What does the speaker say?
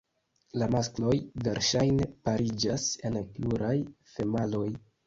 La maskloj verŝajne pariĝas kun pluraj femaloj.